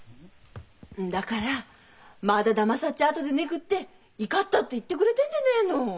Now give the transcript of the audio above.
んだがら「まだだまさっちゃあとでねぐっていがった」って言ってくれてんでねえの！